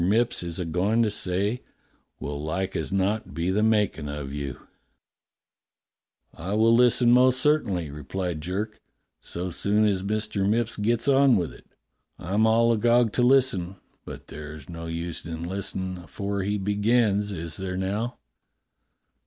Mipps is a goin' to say will like as not be the makin' of you." A YOUNG RECRUIT 161 "I will listen most certainly," replied Jerk, "so soon as Mister Mipps gets on with it. I'm all agog to listen, but there's no use in listenin' afore he begins, is there now?"